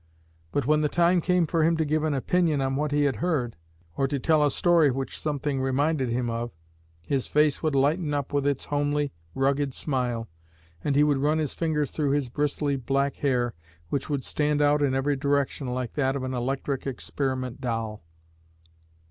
But when the time came for him to give an opinion on what he had heard, or to tell a story which something 'reminded him of,' his face would lighten up with its homely, rugged smile, and he would run his fingers through his bristly black hair, which would stand out in every direction like that of an electric experiment doll."